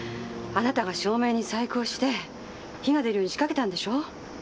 あなたが照明に細工をして火が出るように仕掛けたんでしょ？